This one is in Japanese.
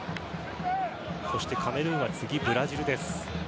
そしてカメルーンは次、ブラジルです。